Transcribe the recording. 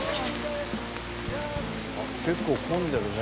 あっ結構混んでるね。